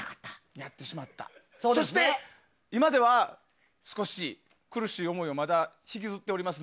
そして今では少し苦しい思いをまだ引きずっております。